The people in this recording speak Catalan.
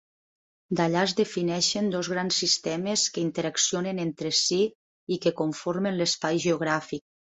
D'allà es defineixen dos grans sistemes que interaccionen entre si i que conformen l'espai geogràfic.